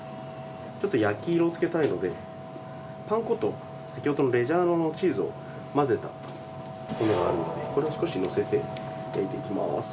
ちょっと焼き色をつけたいのでパン粉と先ほどのレジャーノのチーズを混ぜたものがあるのでこれを少しのせて焼いていきます。